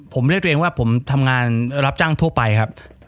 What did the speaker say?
ผมเรียกตัวเองว่าผมทำงานรับจ้างทั่วไปครับ